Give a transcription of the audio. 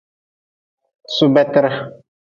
Subetre.